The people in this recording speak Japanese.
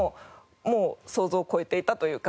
もう想像を超えていたというか。